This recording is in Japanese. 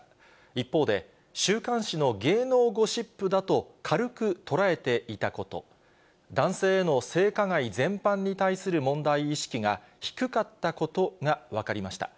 一方で、週刊誌の芸能ゴシップだと軽く捉えていたこと、男性への性加害全般に対する問題意識が低かったことが分かりました。